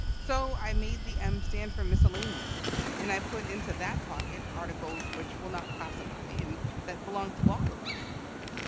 So I made the M stand for 'miscellaneous,' and I put into that pocket articles which will not classify, and that belong to all of us.